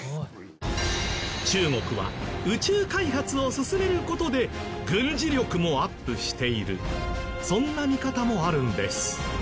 中国は宇宙開発を進める事で軍事力もアップしているそんな見方もあるんです。